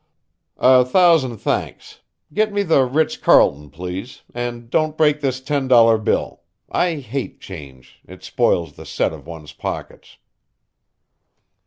"A thousand thanks get me the Ritz Carlton, please, and don't break this ten dollar bill. I hate change, it spoils the set of one's pockets."